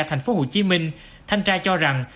tp hcm thanh tra cho rằng